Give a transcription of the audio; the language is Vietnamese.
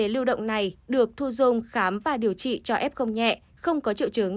lưu động này được thu dung khám và điều trị cho f nhẹ không có triệu chứng